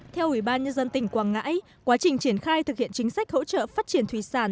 theo ủy ban nhân dân tỉnh quảng ngãi quá trình triển khai thực hiện chính sách hỗ trợ phát triển thủy sản